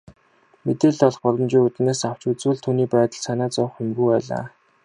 Мэдээлэл олох боломжийн үүднээс авч үзвэл түүний байдалд санаа зовох юмгүй байлаа.